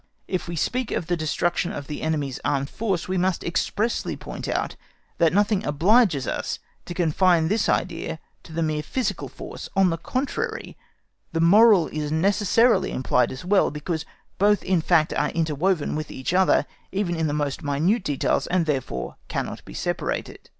If we speak of the destruction of the enemy's armed force, we must expressly point out that nothing obliges us to confine this idea to the mere physical force; on the contrary, the moral is necessarily implied as well, because both in fact are interwoven with each other, even in the most minute details, and therefore cannot be separated.